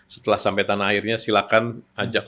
setelah sampai tanah airnya silakan ajak